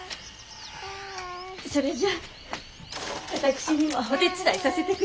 それじゃあ私にもお手伝いさせて下さい。